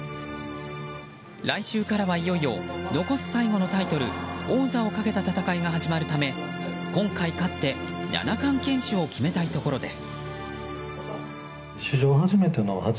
来週からはいよいよ残す最後のタイトル王座をかけた戦いが始まるため今回勝って七冠堅守を決めたいところです。